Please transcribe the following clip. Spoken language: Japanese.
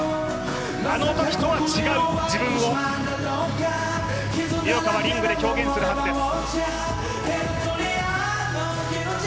あのときとは違う自分を井岡はリングで表現するはずです。